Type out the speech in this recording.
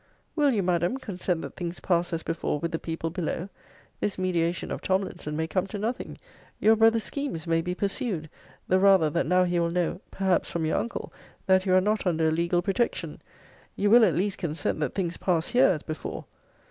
Will you, Madam, consent that things pass as before with the people below? This mediation of Tomlinson may come to nothing. Your brother's schemes may be pursued; the rather, that now he will know (perhaps from your uncle) that you are not under a legal protection. You will, at least, consent that things pass here as before?